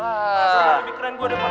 masalahnya lebih keren gue dari mara